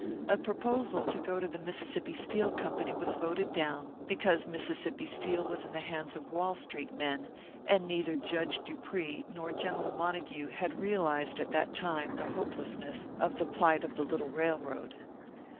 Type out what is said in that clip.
A proposal to go to the Mississippi Steel Company was voted down, because Mississippi Steel was in the hands of Wall Street men; and neither Judge Dupree nor General Montague had realised at that time the hopelessness of the plight of the little railroad.